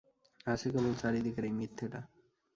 আছে কেবল চারি দিকের এই মিথ্যেটা!